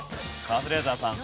カズレーザーさん